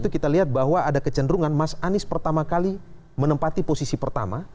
kita lihat bahwa ada kecenderungan mas anies pertama kali menempati posisi pertama